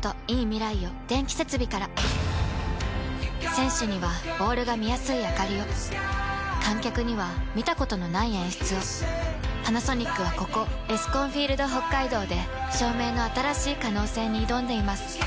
選手にはボールが見やすいあかりを観客には見たことのない演出をパナソニックはここエスコンフィールドＨＯＫＫＡＩＤＯで照明の新しい可能性に挑んでいます